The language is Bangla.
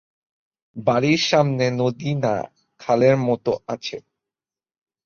বাড়ির সামনে নদী না- খালের মত আছে।